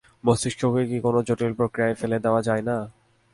মস্তিষ্ককে কি কোনো জটিল প্রক্রিয়ায় ফেলে দেয়া যায় না?